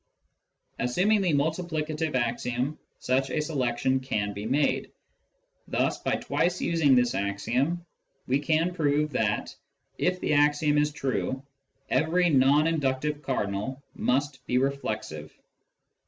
Assuming the multiplicative axiom, such a selection can be made. Thus by twice using this axiom we can prove that, if the axiom is true, every non inductive cardinal must be reflexive.